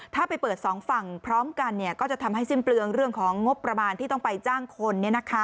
ถ้าไปเปิดสองฝั่งพร้อมกันก็จะทำให้สิ้นเปลืองเรื่องของงบประมาณที่ต้องไปจ้างคน